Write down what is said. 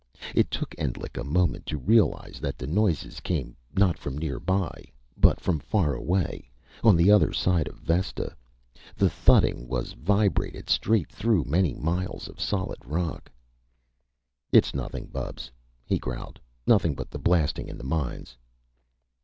It took Endlich a moment to realize that the noises came, not from nearby, but from far away, on the other side of Vesta. The thudding was vibrated straight through many miles of solid rock. "It's nothing, Bubs," he growled. "Nothing but the blasting in the mines."